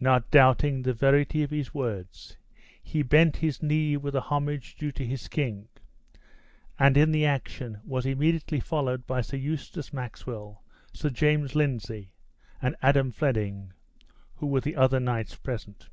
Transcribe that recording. Not doubting the verity of his words, he bent his knee with the homage due to his king; and in the action was immediately followed by Sir Eustace Maxwell, Sir James Lindsay, and Adam Fleming, who were the other knights present.